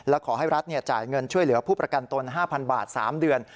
และขอให้รัฐจ่ายเงินช่วยเหลือผู้ประกันตน๕๐๐บาท๓เดือน